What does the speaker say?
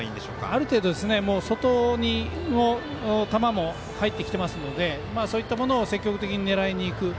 ある程度、外の球も入ってきてますのでそういったものを積極的に狙いにいく。